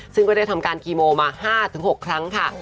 ซึ่งก็ได้ทำการคีโมมา๕๖ครั้งค่ะ